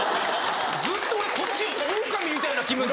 ずっと俺こっちオオカミみたいな気分で。